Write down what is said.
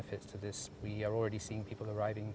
kita sudah melihat orang datang